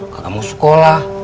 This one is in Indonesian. kakang mau sekolah